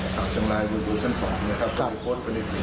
ครับจังรายโดยโดยสั้นสองเนี่ยครับก็เป็นกฎเป็นอีกหนึ่ง